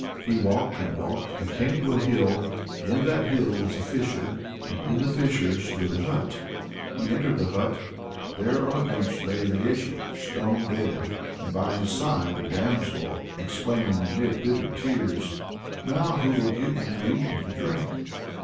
He walked and walked, and came to a hill: in that hill was a fissure, and in the fissure stood a hut. He entered the hut there on a bench lay the Léshy stone dead, and by his side a damsel, exclaiming, amid bitter tears: "Who now will give me to eat and to drink?"